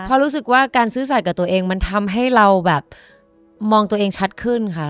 เพราะรู้สึกว่าการซื้อสัตว์กับตัวเองมันทำให้เราแบบมองตัวเองชัดขึ้นค่ะ